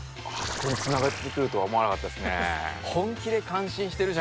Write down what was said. あそこにつながってくるとは思わなかったですね。